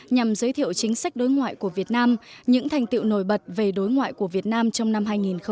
nhằm giới thiệu chính sách đối ngoại của việt nam những thành tiệu nổi bật về đối ngoại của việt nam trong năm hai nghìn một mươi chín